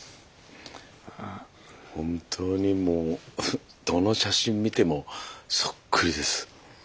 本当にもうどの写真見てもそっくりです。